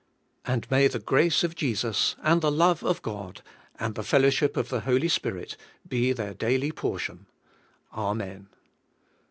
And may the grace of Jesus, and the love of God, and the fellowship of the Holy Spirit, be their daily portion. Amen.